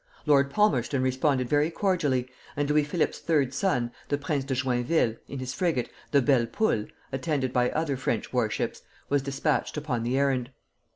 Lord Palmerston responded very cordially, and Louis Philippe's third son, the Prince de Joinville, in his frigate, the "Belle Poule," attended by other French war ships, was despatched upon the errand.